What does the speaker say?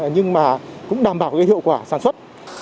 nhưng mà cũng đảm bảo hiệu quả sản xuất